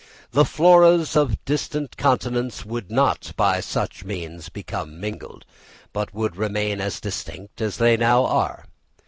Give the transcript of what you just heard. The floras of distant continents would not by such means become mingled; but would remain as distinct as they now are.